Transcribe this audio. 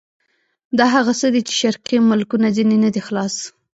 دا هغه څه دي چې شرقي ملکونه ځنې نه دي خلاص.